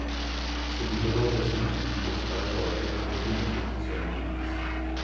Subito dopo sono seguite sparatorie e le prime esecuzioni di massa.